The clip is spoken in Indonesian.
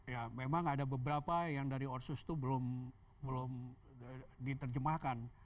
ya memang ada beberapa yang dari otsus itu belum diterjemahkan